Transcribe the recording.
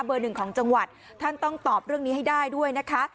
หนึ่งของจังหวัดท่านต้องตอบเรื่องนี้ให้ได้ด้วยนะคะ